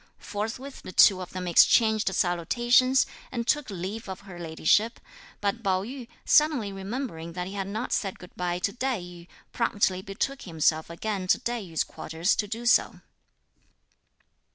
Forthwith the two of them exchanged salutations, and took leave of her ladyship; but Pao yü, suddenly remembering that he had not said good bye to Tai yü, promptly betook himself again to Tai yü's quarters to do so.